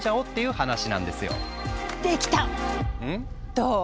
どう？